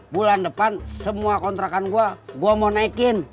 bulan depan semua kontrakan gue gue mau naikin